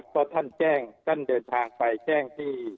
ก็ท่านแจ้งท่านเดินทางไปแจ้งที่